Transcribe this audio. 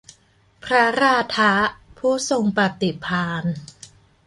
พระราธะ ผู้ทรงปฎิภาณ